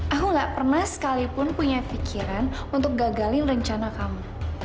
aku gak pernah sekalipun punya pikiran untuk gagalin rencana kamu